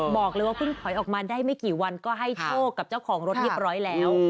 บอกเลยว่าเพิ่งถอยออกมาได้ไม่กี่วันก็ให้โชคกับเจ้าของรถเรียบร้อยแล้ว